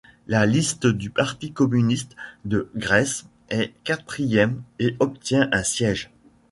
La liste du Parti communiste de Grèce est quatrième et obtient un siège.